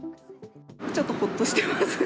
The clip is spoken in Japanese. ちょっとほっとしてます。